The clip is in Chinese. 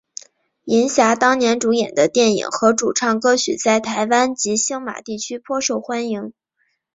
银霞当年主演的电影和主唱歌曲在台湾及星马地区颇受欢迎。